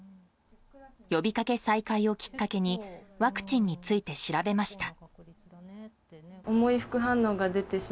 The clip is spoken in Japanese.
呼びかけ再開をきっかけにワクチンについて調べました。